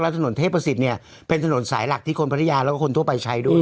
ถนนเทพศิษย์เนี่ยเป็นถนนสายหลักที่คนพัทยาแล้วก็คนทั่วไปใช้ด้วย